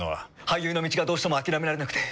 俳優の道がどうしても諦められなくて。